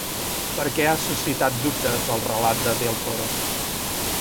Per què ha suscitat dubtes el relat de Del Toro?